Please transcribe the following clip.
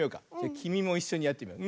きみもいっしょにやってみよう。